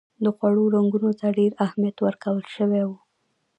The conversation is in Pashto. د خوړو رنګونو ته ډېر اهمیت ورکول شوی و.